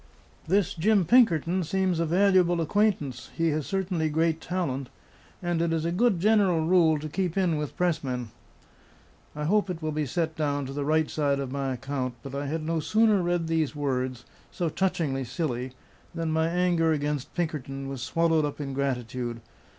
This Jim Pinkerton seems a valuable acquaintance; he has certainly great talent; and it is a good general rule to keep in with pressmen." I hope it will be set down to the right side of my account, but I had no sooner read these words, so touchingly silly, than my anger against Pinkerton was swallowed up in gratitude.